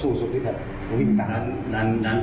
คุณภรรยาเกี่ยวกับข้าวอ่ะคุณภรรยาเกี่ยวกับข้าวอ่ะ